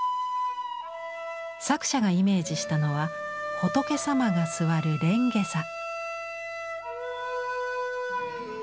作者がイメージしたのは仏様が座る蓮華座。